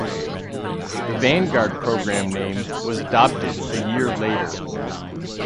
The Vanguard Program name was adopted a year later.